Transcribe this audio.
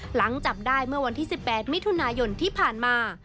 หลังจับได้เมื่อวันที่๑๘มิถุนายนที่ผ่านมา